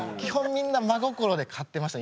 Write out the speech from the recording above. みんな真心で買ってました